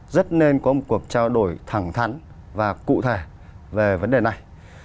rất nên có một cuộc trao đổi thẳng thắn và cụ thể về vấn đề này